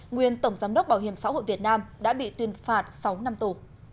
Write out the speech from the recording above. nguyên tổng giám đốc bảo hiểm xã hội việt nam đã bị tuyên phạt sáu năm tù